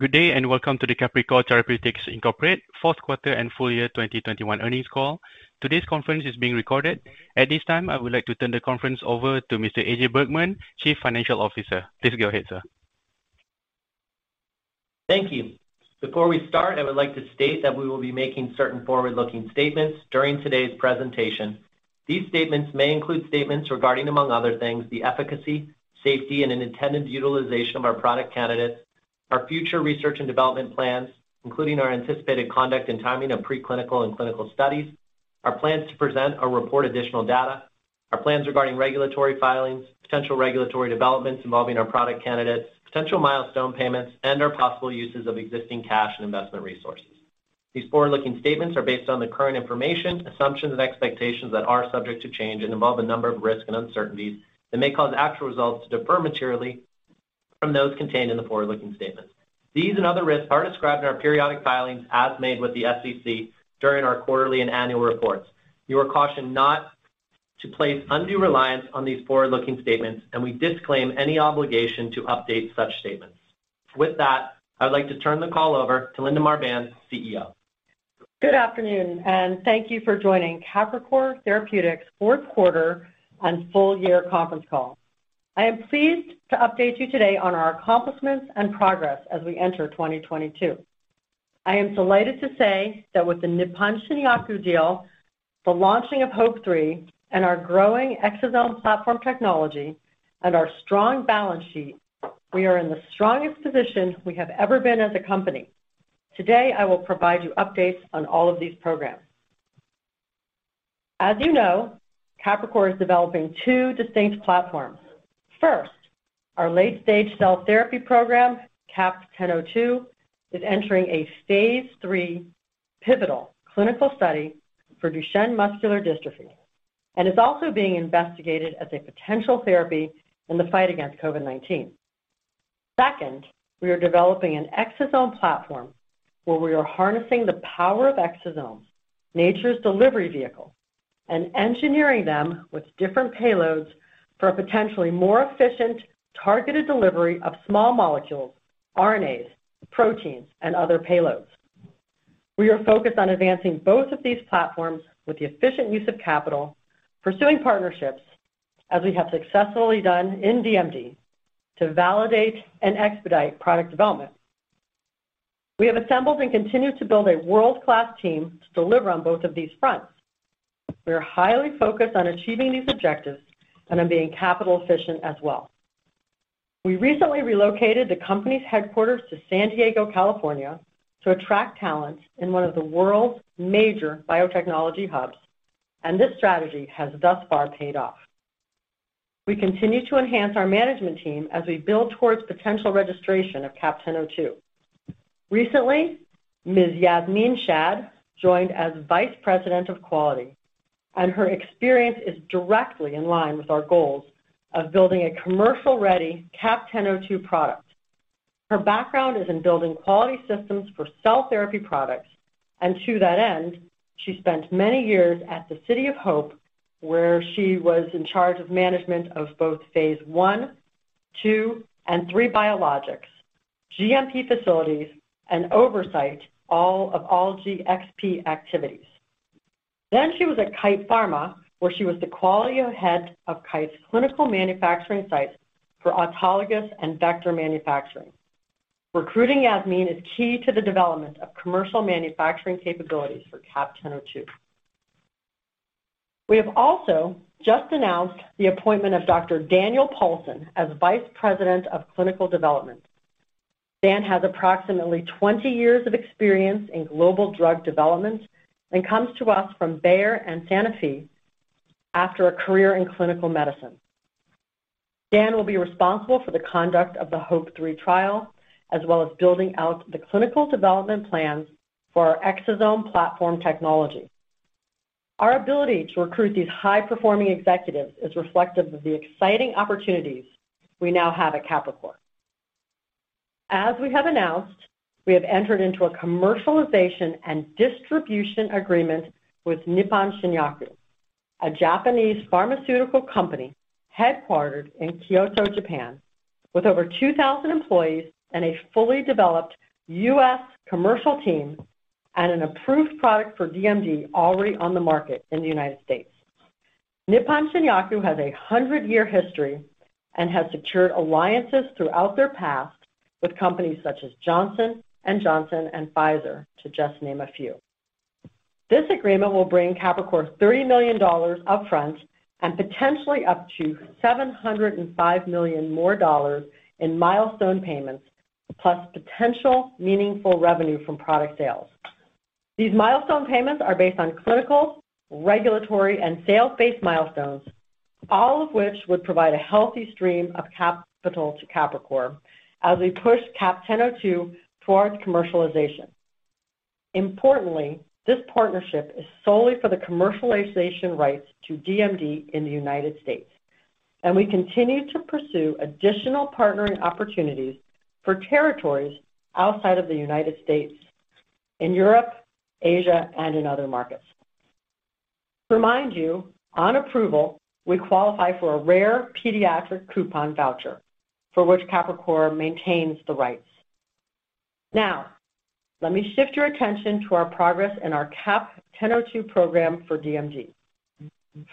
Good day, and welcome to the Capricor Therapeutics, Inc fourth quarter and full year 2021 earnings call. Today's conference is being recorded. At this time, I would like to turn the conference over to Mr. AJ Bergmann, Chief Financial Officer. Please go ahead, sir. Thank you. Before we start, I would like to state that we will be making certain forward-looking statements during today's presentation. These statements may include statements regarding, among other things, the efficacy, safety, and intended utilization of our product candidates, our future research and development plans, including our anticipated conduct and timing of preclinical and clinical studies, our plans to present or report additional data, our plans regarding regulatory filings, potential regulatory developments involving our product candidates, potential milestone payments, and our possible uses of existing cash and investment resources. These forward-looking statements are based on the current information, assumptions, and expectations that are subject to change and involve a number of risks and uncertainties that may cause actual results to differ materially from those contained in the forward-looking statements. These and other risks are described in our periodic filings as made with the SEC during our quarterly and annual reports. You are cautioned not to place undue reliance on these forward-looking statements, and we disclaim any obligation to update such statements. With that, I would like to turn the call over to Linda Marbán, CEO. Good afternoon, and thank you for joining Capricor Therapeutics' fourth quarter and full year conference call. I am pleased to update you today on our accomplishments and progress as we enter 2022. I am delighted to say that with the Nippon Shinyaku deal, the launching of HOPE-3, and our growing exosome platform technology and our strong balance sheet, we are in the strongest position we have ever been as a company. Today, I will provide you updates on all of these programs. As you know, Capricor is developing two distinct platforms. First, our late-stage cell therapy program, CAP-1002, is entering a phase III pivotal clinical study for Duchenne muscular dystrophy and is also being investigated as a potential therapy in the fight against COVID-19. Second, we are developing an exosome platform where we are harnessing the power of exosomes, nature's delivery vehicle, and engineering them with different payloads for a potentially more efficient targeted delivery of small molecules, RNAs, proteins, and other payloads. We are focused on advancing both of these platforms with the efficient use of capital, pursuing partnerships, as we have successfully done in DMD, to validate and expedite product development. We have assembled and continue to build a world-class team to deliver on both of these fronts. We are highly focused on achieving these objectives and on being capital efficient as well. We recently relocated the company's headquarters to San Diego, California, to attract talent in one of the world's major biotechnology hubs, and this strategy has thus far paid off. We continue to enhance our management team as we build towards potential registration of CAP-1002. Recently Ms. Yasmine Shad joined as Vice President of Quality, and her experience is directly in line with our goals of building a commercial-ready CAP-1002 product. Her background is in building quality systems for cell therapy products, and to that end, she spent many years at the City of Hope, where she was in charge of management of both phase I, II, and III biologics, GMP facilities, and oversight of all GXP activities. She was at Kite Pharma, where she was the quality head of Kite's clinical manufacturing sites for autologous and vector manufacturing. Recruiting Yasmine is key to the development of commercial manufacturing capabilities for CAP-1002. We have also just announced the appointment of Dr. Daniel Paulson as Vice President of Clinical Development. Dan has approximately 20 years of experience in global drug development and comes to us from Bayer and Sanofi after a career in clinical medicine. Dan will be responsible for the conduct of the HOPE-3 trial, as well as building out the clinical development plans for our exosome platform technology. Our ability to recruit these high-performing executives is reflective of the exciting opportunities we now have at Capricor. We have announced we have entered into a commercialization and distribution agreement with Nippon Shinyaku, a Japanese pharmaceutical company headquartered in Kyoto, Japan, with over 2,000 employees and a fully developed U.S. commercial team and an approved product for DMD already on the market in the United States. Nippon Shinyaku has a 100-year history and has secured alliances throughout their past with companies such as Johnson & Johnson and Pfizer, to just name a few. This agreement will bring Capricor $30 million up front and potentially up to $705 million more dollars in milestone payments, plus potential meaningful revenue from product sales. These milestone payments are based on clinical, regulatory, and sales-based milestones, all of which would provide a healthy stream of capital to Capricor as we push CAP-1002 towards commercialization. Importantly, this partnership is solely for the commercialization rights to DMD in the United States, and we continue to pursue additional partnering opportunities for territories outside of the United States in Europe, Asia, and in other markets. Remind you, on approval, we qualify for a rare pediatric voucher for which Capricor maintains the rights. Now, let me shift your attention to our progress in our CAP-1002 program for DMD.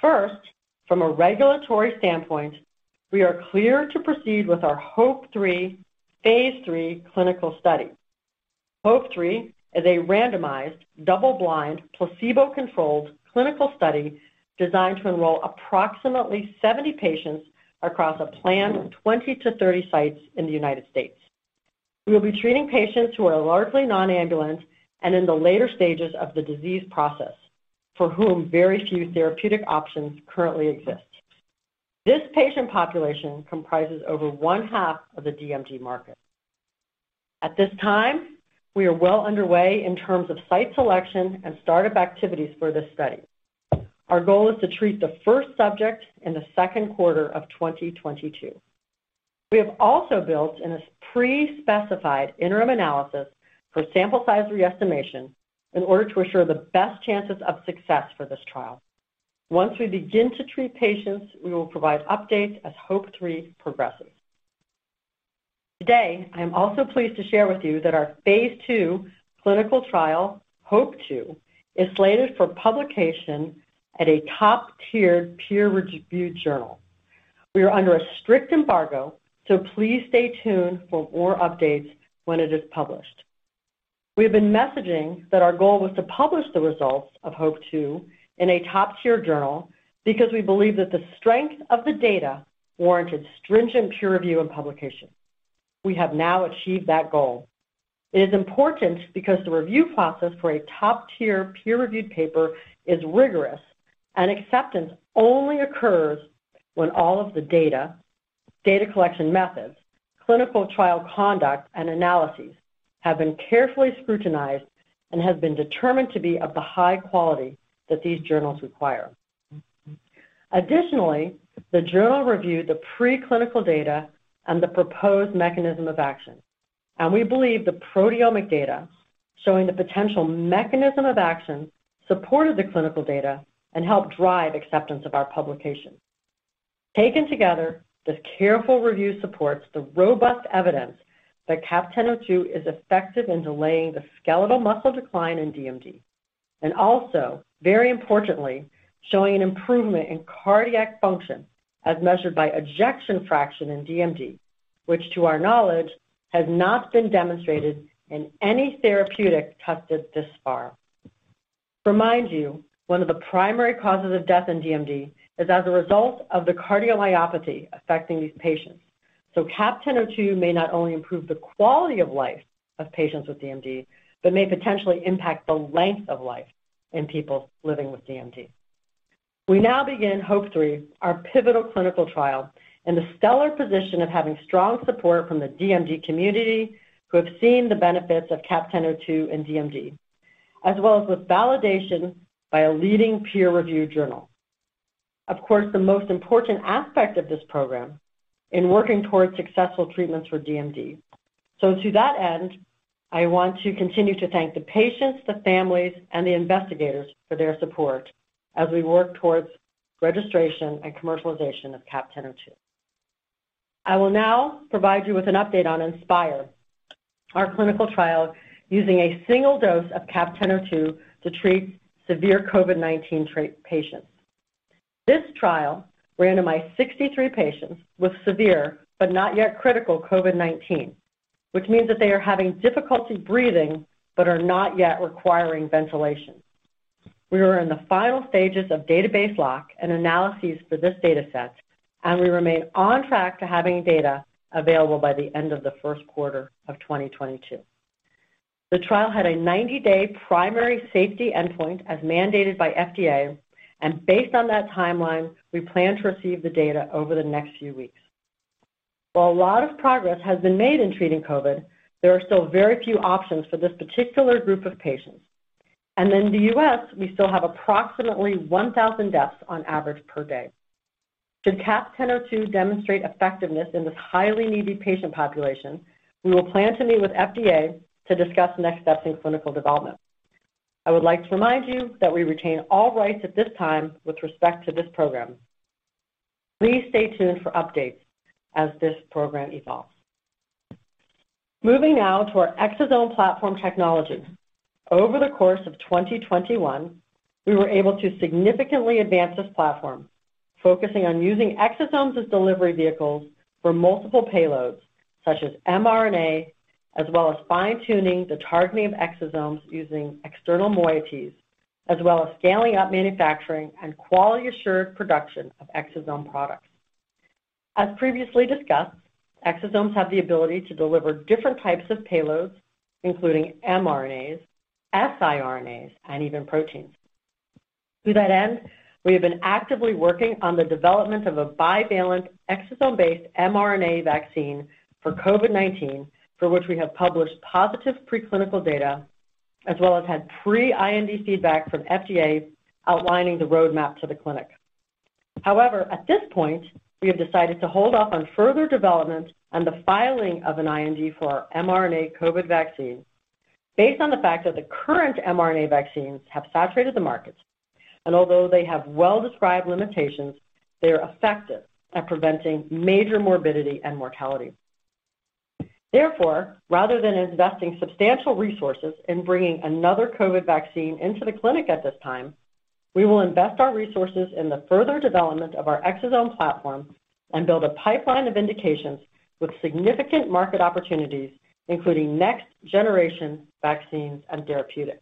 First, from a regulatory standpoint, we are clear to proceed with our HOPE-3 phase III clinical study. HOPE-3 is a randomized double-blind, placebo-controlled clinical study designed to enroll approximately 70 patients across a planned 20-30 sites in the United States. We will be treating patients who are largely non-ambulant and in the later stages of the disease process for whom very few therapeutic options currently exist. This patient population comprises over one half of the DMD market. At this time, we are well underway in terms of site selection and startup activities for this study. Our goal is to treat the first subject in the second quarter of 2022. We have also built in a pre-specified interim analysis for sample size re-estimation in order to assure the best chances of success for this trial. Once we begin to treat patients, we will provide updates as HOPE-3 progresses. Today, I am also pleased to share with you that our phase II clinical trial, HOPE-2, is slated for publication at a top-tier peer-reviewed journal. We are under a strict embargo, so please stay tuned for more updates when it is published. We have been messaging that our goal was to publish the results of HOPE-2 in a top-tier journal because we believe that the strength of the data warranted stringent peer review and publication. We have now achieved that goal. It is important because the review process for a top-tier peer-reviewed paper is rigorous, and acceptance only occurs when all of the data collection methods, clinical trial conduct, and analyses have been carefully scrutinized and have been determined to be of the high quality that these journals require. Additionally, the journal reviewed the preclinical data and the proposed mechanism of action, and we believe the proteomic data showing the potential mechanism of action supported the clinical data and helped drive acceptance of our publication. Taken together, this careful review supports the robust evidence that CAP-1002 is effective in delaying the skeletal muscle decline in DMD, and also, very importantly, showing an improvement in cardiac function as measured by ejection fraction in DMD, which to our knowledge has not been demonstrated in any therapeutic tested thus far. To remind you, one of the primary causes of death in DMD is as a result of the cardiomyopathy affecting these patients. CAP-1002 may not only improve the quality of life of patients with DMD, but may potentially impact the length of life in people living with DMD. We now begin HOPE-3, our pivotal clinical trial, in the stellar position of having strong support from the DMD community who have seen the benefits of CAP-1002 in DMD, as well as with validation by a leading peer-reviewed journal. Of course, the most important aspect of this program in working towards successful treatments for DMD. To that end, I want to continue to thank the patients, the families, and the investigators for their support as we work towards registration and commercialization of CAP-1002. I will now provide you with an update on INSPIRE, our clinical trial using a single dose of CAP-1002 to treat severe COVID-19 patients. This trial randomized 63 patients with severe but not yet critical COVID-19, which means that they are having difficulty breathing but are not yet requiring ventilation. We are in the final stages of database lock and analyses for this data set, and we remain on track to having data available by the end of the first quarter of 2022. The trial had a 90-day primary safety endpoint as mandated by FDA, and based on that timeline, we plan to receive the data over the next few weeks. While a lot of progress has been made in treating COVID, there are still very few options for this particular group of patients. In the U.S., we still have approximately 1,000 deaths on average per day. Should CAP-1002 demonstrate effectiveness in this highly needy patient population, we will plan to meet with FDA to discuss next steps in clinical development. I would like to remind you that we retain all rights at this time with respect to this program. Please stay tuned for updates as this program evolves. Moving now to our exosome platform technology. Over the course of 2021, we were able to significantly advance this platform, focusing on using exosomes as delivery vehicles for multiple payloads, such as mRNA, as well as fine-tuning the targeting of exosomes using external moieties, as well as scaling up manufacturing and quality assured production of exosome products. As previously discussed, exosomes have the ability to deliver different types of payloads, including mRNAs, siRNAs, and even proteins. To that end, we have been actively working on the development of a bivalent exosome-based mRNA vaccine for COVID-19, for which we have published positive preclinical data, as well as had pre-IND feedback from FDA outlining the roadmap to the clinic. However, at this point, we have decided to hold off on further development and the filing of an IND for our mRNA COVID vaccine based on the fact that the current mRNA vaccines have saturated the market, and although they have well-described limitations, they are effective at preventing major morbidity and mortality. Therefore, rather than investing substantial resources in bringing another COVID vaccine into the clinic at this time, we will invest our resources in the further development of our exosome platform and build a pipeline of indications with significant market opportunities, including next-generation vaccines and therapeutics.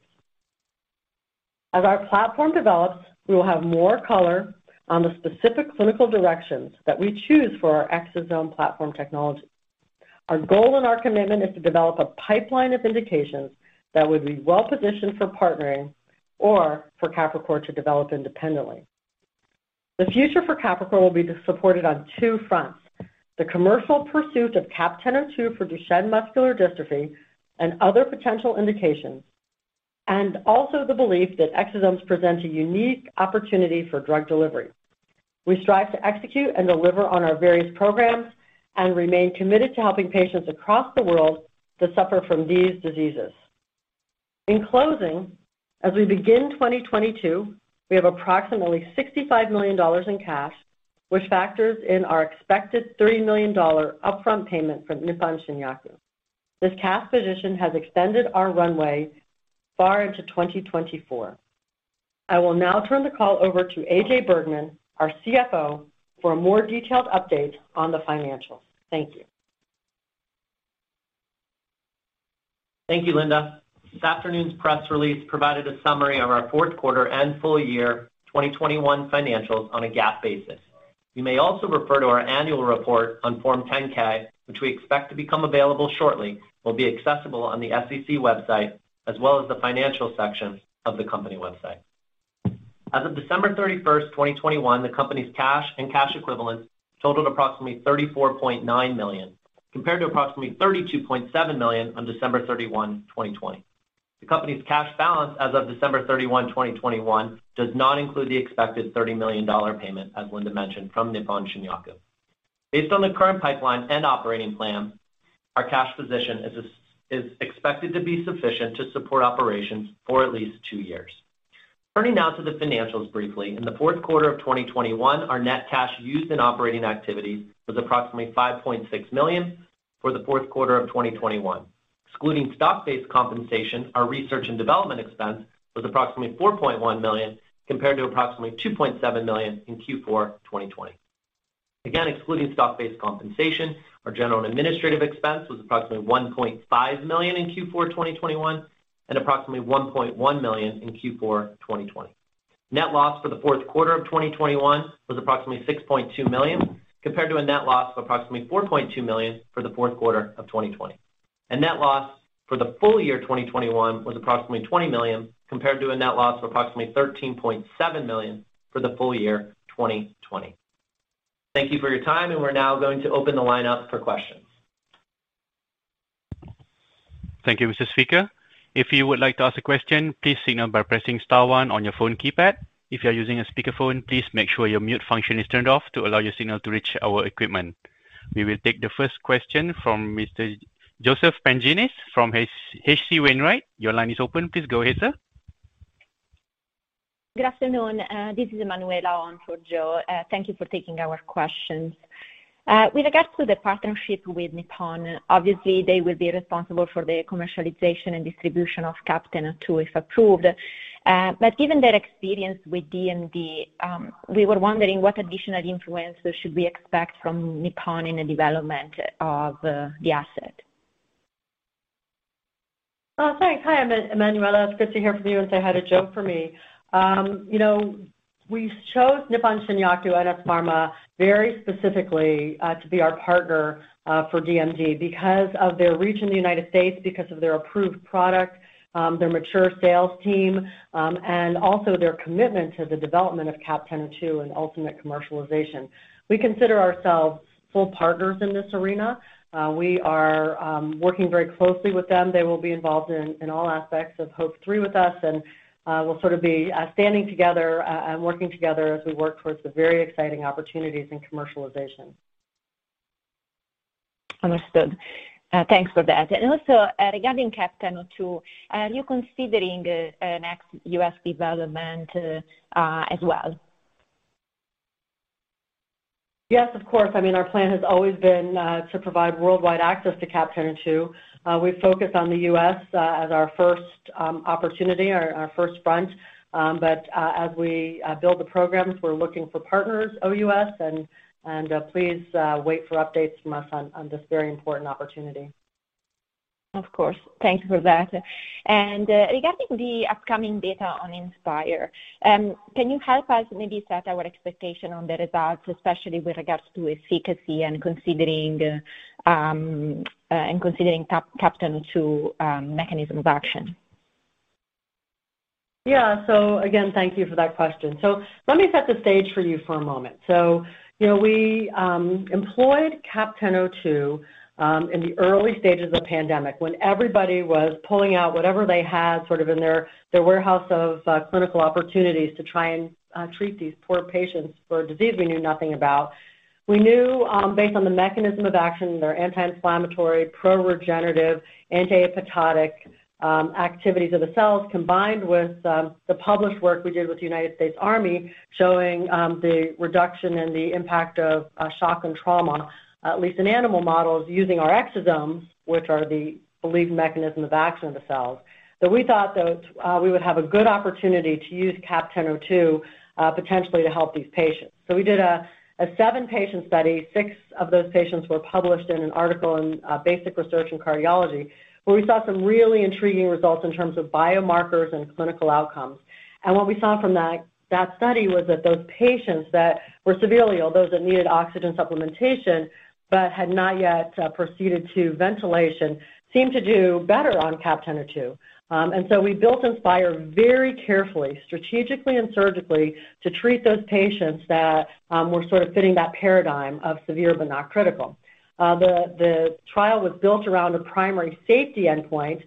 As our platform develops, we will have more color on the specific clinical directions that we choose for our exosome platform technology. Our goal and our commitment is to develop a pipeline of indications that would be well-positioned for partnering or for Capricor to develop independently. The future for Capricor will be supported on two fronts, the commercial pursuit of CAP-1002 for Duchenne muscular dystrophy and other potential indications, and also the belief that exosomes present a unique opportunity for drug delivery. We strive to execute and deliver on our various programs and remain committed to helping patients across the world that suffer from these diseases. In closing, as we begin 2022, we have approximately $65 million in cash, which factors in our expected $30 million upfront payment from Nippon Shinyaku. This cash position has extended our runway far into 2024. I will now turn the call over to AJ Bergmann, our CFO, for a more detailed update on the financials. Thank you. Thank you, Linda. This afternoon's press release provided a summary of our fourth quarter and full year 2021 financials on a GAAP basis. You may also refer to our annual report on Form 10-K, which we expect to become available shortly, will be accessible on the SEC website as well as the financial section of the company website. As of December 31st, 2021, the company's cash and cash equivalents totaled approximately $34.9 million, compared to approximately $32.7 million on December 31, 2020. The company's cash balance as of December 31, 2021, does not include the expected $30 million payment, as Linda mentioned, from Nippon Shinyaku. Based on the current pipeline and operating plan, our cash position is expected to be sufficient to support operations for at least two years. Turning now to the financials briefly. In the fourth quarter of 2021, our net cash used in operating activities was approximately $5.6 million for the fourth quarter of 2021. Excluding stock-based compensation, our research and development expense was approximately $4.1 million, compared to approximately $2.7 million in Q4 2020. Again, excluding stock-based compensation, our general and administrative expense was approximately $1.5 million in Q4 2021 and approximately $1.1 million in Q4 2020. Net loss for the fourth quarter of 2021 was approximately $6.2 million, compared to a net loss of approximately $4.2 million for the fourth quarter of 2020. Net loss for the full year 2021 was approximately $20 million, compared to a net loss of approximately $13.7 million for the full year 2020. Thank you for your time, and we're now going to open the line up for questions. Thank you, Mr. Speaker. If you would like to ask a question, please signal by pressing star one on your phone keypad. If you are using a speakerphone, please make sure your mute function is turned off to allow your signal to reach our equipment. We will take the first question from Mr. Joseph Pantginis from H.C. Wainwright. Your line is open. Please go ahead, sir. Good afternoon. This is Emanuela on for Joe. Thank you for taking our questions. With regards to the partnership with Nippon, obviously they will be responsible for the commercialization and distribution of CAP-1002, if approved. Given their experience with DMD, we were wondering what additional influence should we expect from Nippon in the development of the asset? Thanks. Hi, Emanuela. It's good to hear from you, and say hi to Joe for me. You know, we chose Nippon Shinyaku and NS Pharma very specifically, to be our partner, for DMD because of their reach in the United States, because of their approved product, their mature sales team, and also their commitment to the development of CAP-1002 and ultimate commercialization. We consider ourselves full partners in this arena. We are working very closely with them. They will be involved in all aspects of HOPE-3 with us, and we'll sort of be standing together and working together as we work towards the very exciting opportunities in commercialization. Understood. Thanks for that. Also, regarding CAP-1002, are you considering an ex-U.S. development as well? Yes, of course. I mean, our plan has always been to provide worldwide access to CAP-1002. We focus on the U.S. as our first opportunity, our first front. As we build the programs, we're looking for partners OUS and please wait for updates from us on this very important opportunity. Of course. Thank you for that. Regarding the upcoming data on INSPIRE, can you help us maybe set our expectation on the results, especially with regards to efficacy and considering CAP-1002 mechanism of action? Yeah. Again, thank you for that question. Let me set the stage for you for a moment. You know, we employed CAP-1002 in the early stages of the pandemic when everybody was pulling out whatever they had sort of in their warehouse of clinical opportunities to try and treat these poor patients for a disease we knew nothing about. We knew based on the mechanism of action, the anti-inflammatory, pro-regenerative, anti-apoptotic activities of the cells, combined with the published work we did with the United States Army showing the reduction in the impact of shock and trauma, at least in animal models, using our exosomes, which are the believed mechanism of action of the cells. We thought that we would have a good opportunity to use CAP-1002 potentially to help these patients. We did a seven-patient study. Six of those patients were published in an article in Basic Research in Cardiology, where we saw some really intriguing results in terms of biomarkers and clinical outcomes. What we saw from that study was that those patients that were severely ill, those that needed oxygen supplementation but had not yet proceeded to ventilation, seemed to do better on CAP-1002. We built INSPIRE very carefully, strategically and surgically, to treat those patients that were sort of fitting that paradigm of severe but not critical. The trial was built around a primary safety endpoint,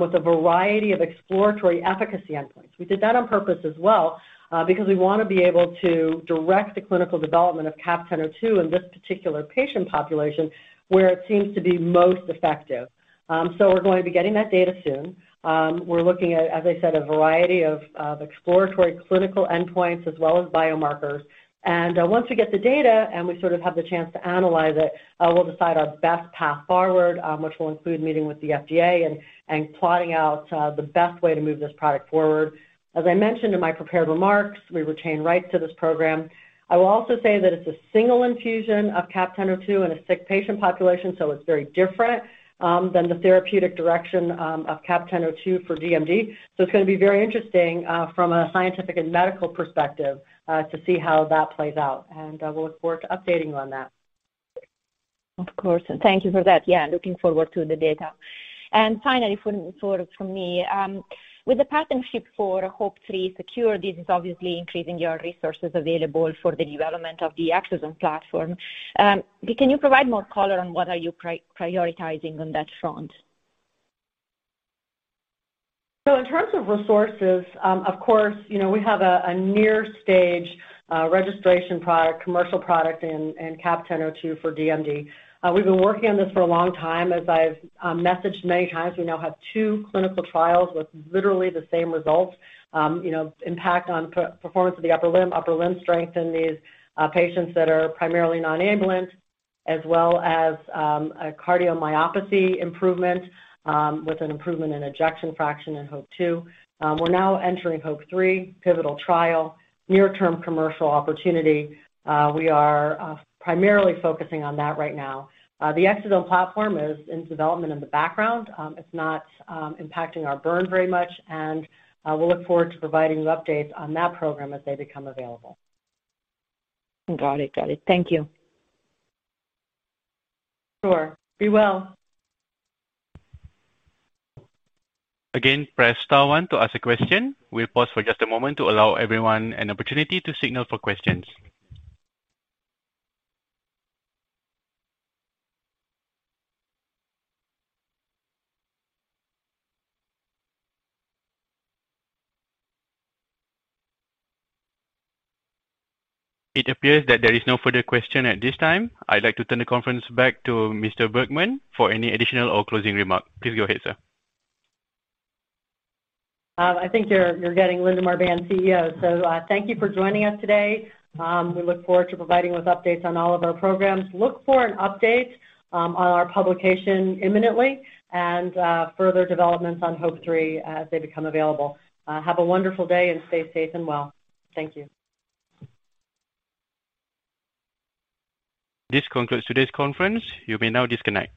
with a variety of exploratory efficacy endpoints. We did that on purpose as well, because we wanna be able to direct the clinical development of CAP-1002 in this particular patient population, where it seems to be most effective. We're going to be getting that data soon. We're looking at, as I said, a variety of exploratory clinical endpoints as well as biomarkers. Once we get the data and we sort of have the chance to analyze it, we'll decide our best path forward, which will include meeting with the FDA and plotting out the best way to move this product forward. As I mentioned in my prepared remarks, we retain rights to this program. I will also say that it's a single infusion of CAP-1002 in a sick patient population, so it's very different than the therapeutic direction of CAP-1002 for DMD. It's gonna be very interesting from a scientific and medical perspective to see how that plays out, and we'll look forward to updating you on that. Of course. Thank you for that. Yeah, looking forward to the data. Finally for, sort of from me, with the partnership for HOPE-3 secured, this is obviously increasing your resources available for the development of the exosome platform. Can you provide more color on what are you prioritizing on that front? In terms of resources, of course, you know, we have a late-stage registration product, commercial product in CAP-1002 for DMD. We've been working on this for a long time. As I've mentioned many times, we now have two clinical trials with literally the same results, you know, impact on Performance of the Upper Limb, upper limb strength in these patients that are primarily non-ambulant, as well as a cardiomyopathy improvement with an improvement in ejection fraction in HOPE-2. We're now entering HOPE-3 pivotal trial, near-term commercial opportunity. We are primarily focusing on that right now. The exosome platform is in development in the background. It's not impacting our burn very much, and we'll look forward to providing you updates on that program as they become available. Got it. Thank you. Sure. Be well. Again, press star one to ask a question. We'll pause for just a moment to allow everyone an opportunity to signal for questions. It appears that there is no further question at this time. I'd like to turn the conference back to Mr. Bergmann for any additional or closing remark. Please go ahead, sir. I think you're getting Linda Marbán, CEO. Thank you for joining us today. We look forward to providing those updates on all of our programs. Look for an update on our publication imminently, and further developments on HOPE-3 as they become available. Have a wonderful day, and stay safe and well. Thank you. This concludes today's conference. You may now disconnect.